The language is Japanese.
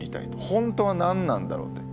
本当は何なんだろうって。